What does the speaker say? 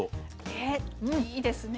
ねいいですね。